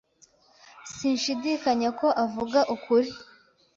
Sinshidikanya ko avuga ukuri.